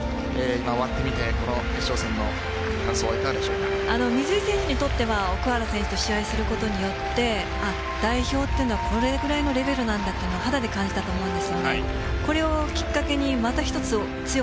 結果はストレートという内容になりましたが終わってみてこの決勝戦の感想は水井選手にとっては奥原選手と試合することによって代表はこれぐらいのレベルなんだというのを肌で感じたと思うんです。